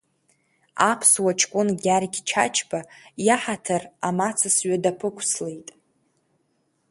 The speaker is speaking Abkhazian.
Аԥсуа ҷкәын Гьаргь Чачба иаҳаҭыр амацасҩы даԥықәслеит.